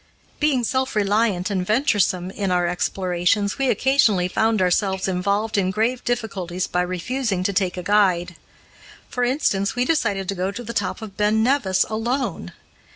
Being self reliant and venturesome in our explorations, we occasionally found ourselves involved in grave difficulties by refusing to take a guide. For instance, we decided to go to the top of Ben Nevis alone.